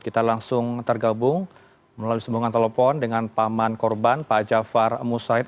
kita langsung tergabung melalui sambungan telepon dengan paman korban pak jafar musaid